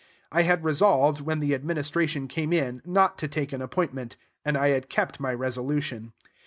I had resolved, when the administration came in, not to take an appointment; and I had kept my resolution.